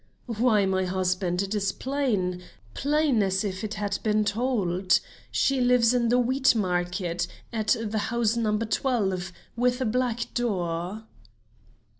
"Why, my husband, it is plain, plain as if it had been told. She lives in the Wheat Market, at house No. 12, with a black door."